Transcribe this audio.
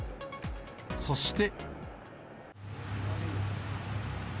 そして。